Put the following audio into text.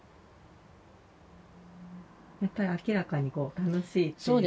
やっぱり明らかにこう楽しいっていうことが。